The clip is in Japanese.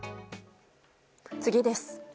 次です。